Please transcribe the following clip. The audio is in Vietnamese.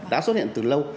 đã xuất hiện từ lâu